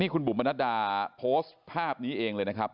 คุณบุ๋มมนัดดาโพสต์ภาพนี้เองเลยนะครับ